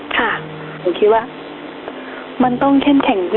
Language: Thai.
หนูคิดว่ามันต้องเข้มแข็ง